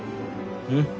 うん？